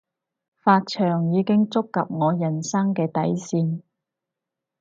髮長已經觸及我人生嘅底線